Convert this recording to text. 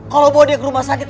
kalau bawa dia ke rumah sakit